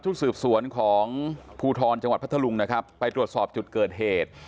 สืบสวนของภูทรจังหวัดพัทธลุงนะครับไปตรวจสอบจุดเกิดเหตุ